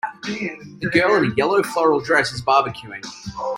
a girl in a yellow floral dress is barbecuing.